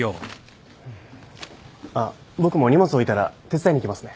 あっ僕も荷物置いたら手伝いに行きますね。